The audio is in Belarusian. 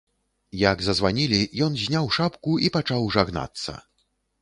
Як зазванілі, ён зняў шапку і пачаў жагнацца.